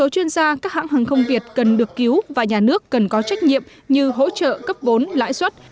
các hãng hàng không việt và nhà nước cần có trách nhiệm như hỗ trợ cấp vốn lãi suất